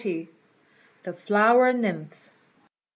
XL. THE FLOWER NYMPHS.